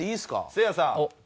せいやさん。